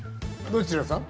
どちらさん？